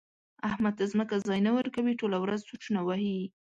احمد ته ځمکه ځای نه ورکوي؛ ټوله ورځ سوچونه وهي.